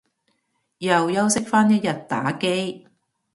又休息返一日打機